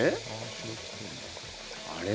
あれ？